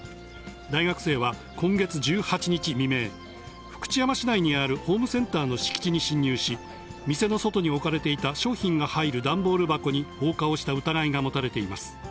大学生は今月１８日未明、福知山市内にあるホームセンターの敷地に侵入し、店の外に置かれていた商品が入る段ボール箱に放火をした疑いが持たれています。